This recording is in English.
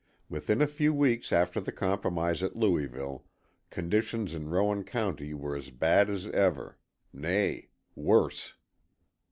Within a few weeks after the compromise at Louisville, conditions in Rowan were as bad as ever, nay worse.